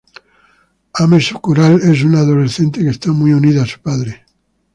Ame Sakurai es una adolescente que está muy unida a su padre.